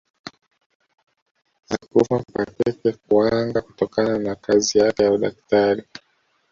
alikufa kwa tete kuwanga kutokana na kazi yake ya udaktari